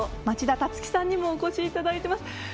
町田樹さんにもお越しいただいています。